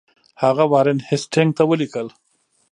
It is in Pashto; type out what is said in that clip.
هغه وارن هیسټینګ ته ولیکل.